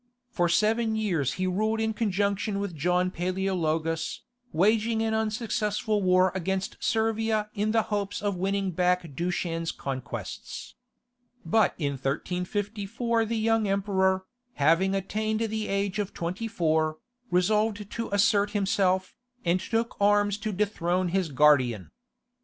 For seven years he ruled in conjunction with John Paleologus, waging an unsuccessful war against Servia in the hopes of winning back Dushan's conquests. But in 1354 the young emperor, having attained the age of twenty four, resolved to assert himself, and took arms to dethrone his guardian.